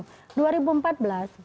jadi mereka harus menurunkan kebijakannya